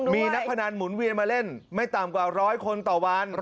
มีนักพนันหมุนเวียนมาเล่นไม่ต่ำกว่าร้อยคนต่อวัน